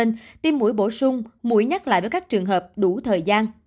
tuy nhiên tiêm mũi bổ sung mũi nhắc lại với các trường hợp đủ thời gian